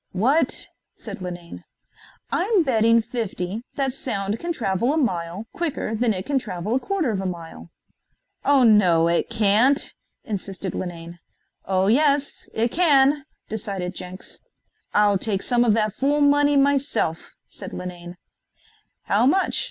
"What?" said Linane. "I'm betting fifty that sound can travel a mile quicker than it can travel a quarter of a mile." "Oh no it can't," insisted Linane. "Oh yes it can!" decided Jenks. "I'll take some of that fool money myself," said Linane. "How much?"